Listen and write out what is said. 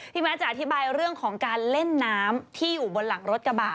แมทจะอธิบายเรื่องของการเล่นน้ำที่อยู่บนหลังรถกระบะ